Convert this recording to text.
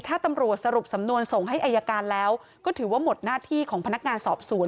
ถ้าตำรวจสรุปสำนวนส่งให้อายการแล้วก็ถือว่าหมดหน้าที่ของพนักงานสอบสวน